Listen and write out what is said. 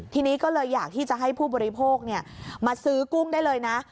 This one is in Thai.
ทีนี้ก็เลยอยากที่จะให้ผู้บริโภคมาซื้อกุ้งได้เลยนะ